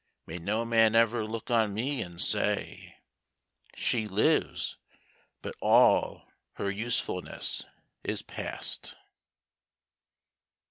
May no man ever look on me and say, "She lives, but all her usefulness is past."